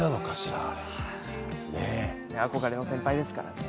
憧れの先輩ですからね。